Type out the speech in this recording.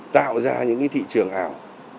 tạo ra những cái thị trường ảo